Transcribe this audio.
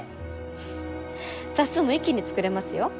フッ冊数も一気に作れますよ。